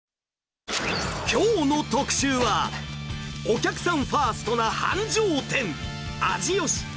きょうの特集は、お客さんファーストな繁盛店。